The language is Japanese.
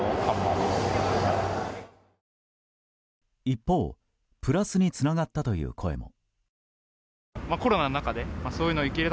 一方プラスにつながったという声も。